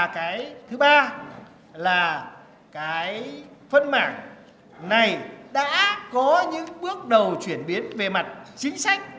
cái thứ ba là cái phân mảng này đã có những bước đầu chuyển biến về mặt chính sách